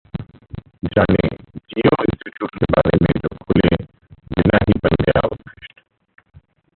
जानें: Jio institute के बारे में, जो खुले बिना ही बन गया 'उत्कृष्ट'